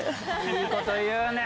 いいこと言うね。